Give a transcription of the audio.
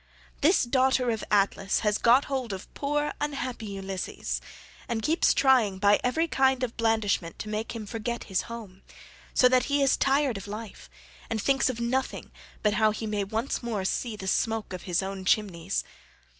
This daughter of Atlas has got hold of poor unhappy Ulysses, and keeps trying by every kind of blandishment to make him forget his home, so that he is tired of life, and thinks of nothing but how he may once more see the smoke of his own chimneys.